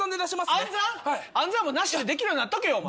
暗算もなしでできるようになっとけよお前。